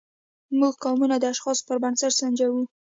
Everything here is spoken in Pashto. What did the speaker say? موږ قومونه د اشخاصو پر بنسټ سنجوو.